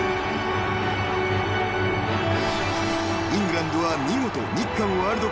［イングランドは見事］